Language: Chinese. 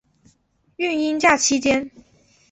育婴假期间